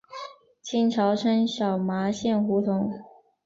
清朝称小麻线胡同。